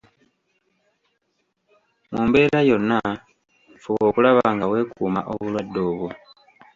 Mu mbeera yonna fuba okulaba nga weekuuma obulwadde obwo.